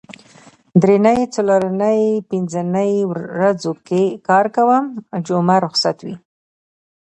درېنۍ څلورنۍ پینځنۍ ورځو کې کار کوم جمعه روخصت وي